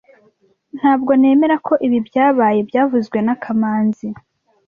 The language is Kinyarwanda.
Ntabwo nemera ko ibi byabaye byavuzwe na kamanzi